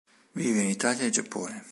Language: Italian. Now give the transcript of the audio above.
Vive in Italia e Giappone.